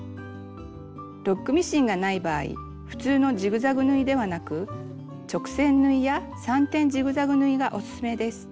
ロックミシンがない場合普通のジグザグ縫いではなく直線縫いや３点ジグザグ縫いがおすすめです。